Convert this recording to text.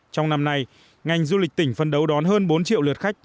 trong năm nay ngành du lịch tỉnh phân đấu đón hơn bốn triệu lượt khách